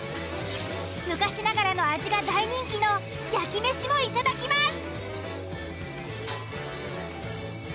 昔ながらの味が大人気の焼き飯もいただきます。